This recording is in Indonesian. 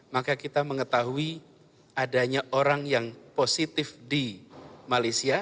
maka kita mengetahui adanya orang yang positif di malaysia